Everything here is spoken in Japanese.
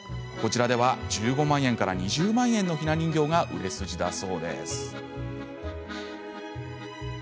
こちらでは１５万から２０万円のひな人形が売れ筋だそうです。